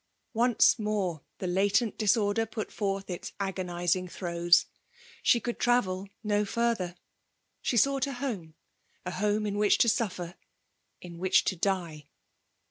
Once more the latent disorder put forth its agonizing throes. She could travel no further : she sought a home — a home in which to suffer — in which to die